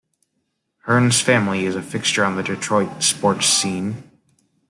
Hearns' family is a fixture on the Detroit sports scene.